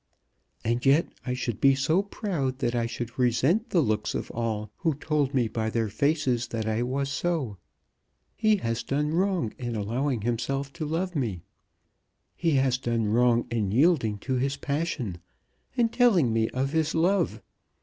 And yet I should be so proud that I should resent the looks of all who told me by their faces that I was so. He has done wrong in allowing himself to love me. He has done wrong in yielding to his passion, and telling me of his love.